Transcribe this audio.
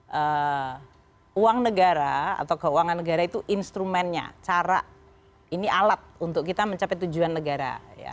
dan uang negara atau keuangan negara itu instrumennya cara ini alat untuk kita mencapai tujuan negara